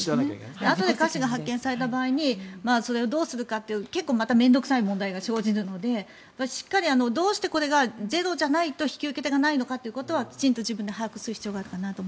あとで瑕疵が発見された場合どうするかという結構面倒臭い問題が生じるのでどうしてこれがゼロじゃないと引き受け手がいないのかということはきちんと自分で把握する必要があるかなと。